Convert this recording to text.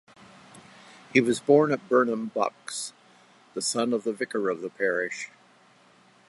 He was born at Burnham, Bucks, the son of the vicar of the parish.